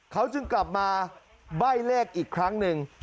เขาจึงกลับมาใบ้เลขอีกครั้งหนึ่ง